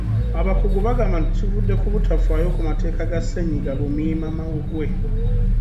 Abakugu bagamba nti kivudde ku butafaayo ku mateeka ga ssennyiga lumiimamawuggwe.